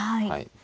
はい。